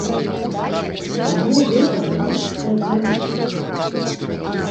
Таму гэта грамадская карысць.